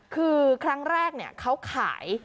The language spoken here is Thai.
คือครั้งแรกเขาขาย